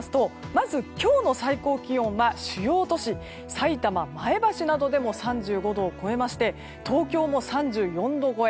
まず今日の最高気温は主要都市さいたま、前橋などでも３５度を超えまして東京も３４度超え。